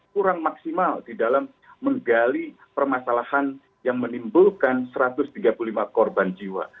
kurang maksimal di dalam menggali permasalahan yang menimbulkan satu ratus tiga puluh lima korban jiwa